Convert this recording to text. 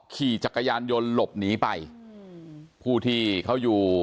ขี่จักรยานยนต์หลบหนีไปผู้ที่เขาอยู่